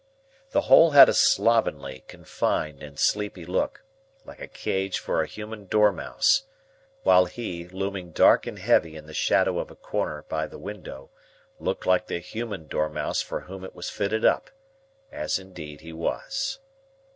The whole had a slovenly, confined, and sleepy look, like a cage for a human dormouse; while he, looming dark and heavy in the shadow of a corner by the window, looked like the human dormouse for whom it was fitted up,—as indeed he was.